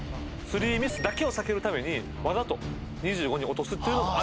スリーミスだけを避けるためにわざと２５に落とすっていうのもありです。